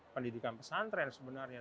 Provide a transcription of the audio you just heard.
pendidikan pesantren sebenarnya